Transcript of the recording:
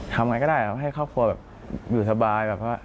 ทำอะไรก็ได้ครับให้ครอบครัวอยู่สบาย